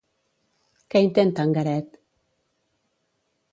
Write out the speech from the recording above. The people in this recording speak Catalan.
Què intenta en Garet?